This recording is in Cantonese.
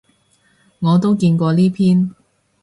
我都見到呢篇